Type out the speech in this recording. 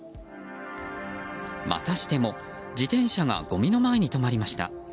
またしても、自転車がごみの前に止まりました。